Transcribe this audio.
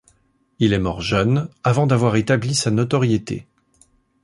Il est mort jeune, avant d'avoir établi sa notoriété.